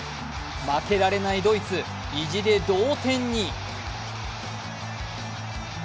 負けられないドイツ、意地で同点に。